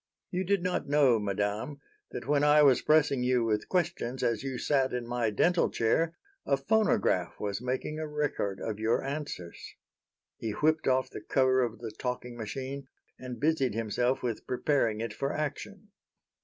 "You did not know, madame, that when I was pressing you with questions as you sat in my dental chair a phonograph was making a record of your answers." He whipped off the cover of the talking machine and busied himself with preparing it for action.